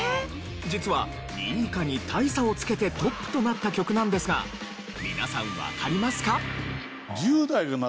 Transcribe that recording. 実は２位以下に大差をつけてトップとなった曲なんですが皆さんわかりますか？